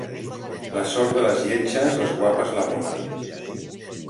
La sort de les lletges, les guapes la volen.